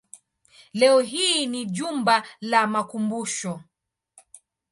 Leo hii ni jumba la makumbusho.